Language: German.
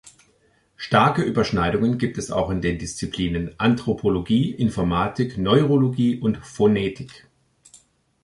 Starke Überschneidungen gibt es auch mit den Disziplinen Anthropologie, Informatik, Neurologie und Phonetik.